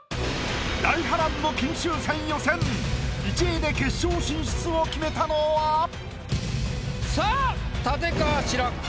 大波乱の金秋戦予選１位で決勝進出を決めたのは⁉さあ立川志らくか？